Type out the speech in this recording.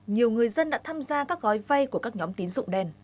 nhiều người dân đã tham gia các gói vay của các nhóm tín dụng đen